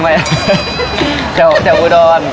ไม่แถวอุดร